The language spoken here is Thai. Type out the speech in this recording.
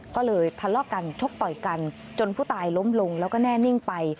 ก็เลยทะเลาะกันชกต่อยกันจนผู้ตายล้มลงแล้วก็แน่นิ่งไป